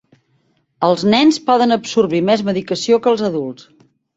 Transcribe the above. Els nens poden absorbir més medicació que els adults.